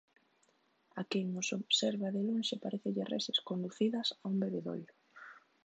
A quen os observa de lonxe parécenlle reses conducidas a un bebedoiro.